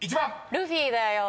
「ルフィ」だよ。